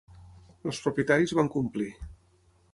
Els propietaris van complir.